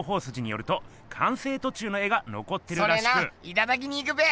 いただきに行くべ！